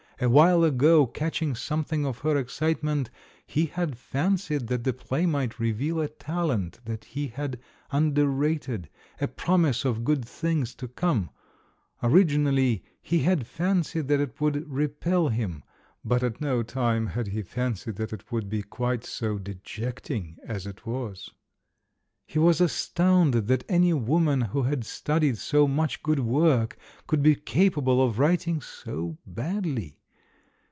Awhile ago, catching something of her excitement, he had fancied that the play might reveal a talent that he had underrated, a promise of good things to come; originally, he had fancied that it would repel him ; but at no time had he fancied that it would be quite so dejecting as it was. He was astounded that any woman who had studied so much good work could be capable of writing so badly.